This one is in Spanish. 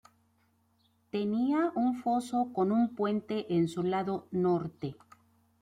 Tenía un foso con un puente en su lado norte.